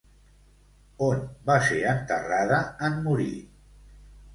On va ser enterrada en morir?